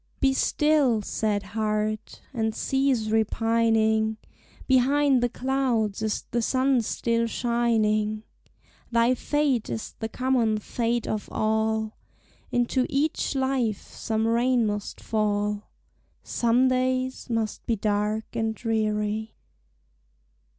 Be still, sad heart! and cease repining; Behind the clouds is the sun still shining; Thy fate is the common fate of all, Into each life some rain must fall, Some days must be dark and dreary.